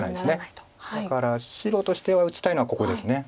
だから白としては打ちたいのはここです。